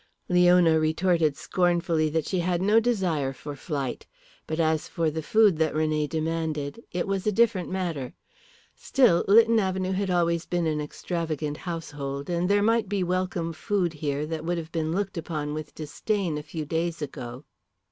Leona retorted scornfully that she had no desire for flight. But as for the food that René demanded, it was a different matter. Still, Lytton Avenue had always been an extravagant household, and there might be welcome food here that would have been looked upon with disdain a few days ago.